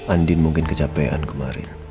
andien mungkin kecapean kemarin